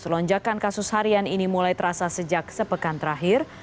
lonjakan kasus harian ini mulai terasa sejak sepekan terakhir